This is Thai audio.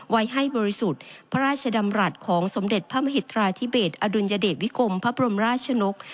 ไว้ให้บริสุทธิ์พระราชดำรัฐของสมเด็จพระมหิตราธิเบสอดุลยเดชวิกรมพระบรมราชนก